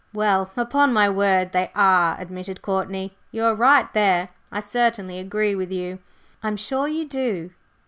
"Well, upon my word, they are," admitted Courtney. "You are right there. I certainly agree with you." "I'm sure you do!